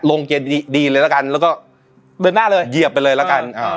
เกณฑ์ดีดีเลยละกันแล้วก็เดินหน้าเลยเหยียบไปเลยละกัน